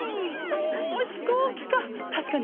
ほうひこうきか！